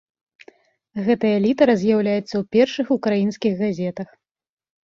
Гэтая літара з'яўляецца ў першых украінскіх газетах.